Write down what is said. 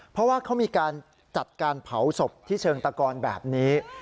เพราะว่าเขามีการจัดการเผาศพที่เชิงตะกอนแบบนี้